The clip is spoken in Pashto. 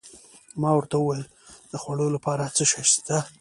ما ورته وویل: د خوړو لپاره څه شته؟